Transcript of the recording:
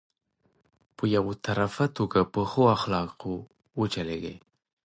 په يو طرفه توګه په ښو اخلاقو وچلېږي.